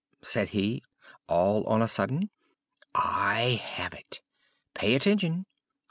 said he, all on a sudden. "I have it! Pay attention!